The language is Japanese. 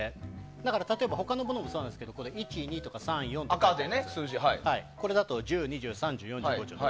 だから例えば他のものもそうなんですが１、２、とか１０、２０これだと１０、２０、３０４０、５０。